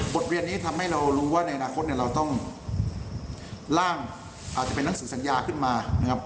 บทเรียนนี้ทำให้เรารู้ว่าในอนาคตเนี่ยเราต้องล่างอาจจะเป็นหนังสือสัญญาขึ้นมานะครับ